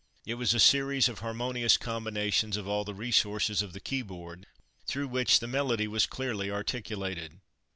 It was a series of harmonious combinations of all the resources of the key board, through which the melody was clearly articulated.